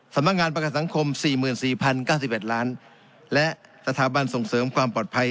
สำนักงานประกันสังคม๔๔๐๙๑ล้านและสถาบันส่งเสริมความปลอดภัย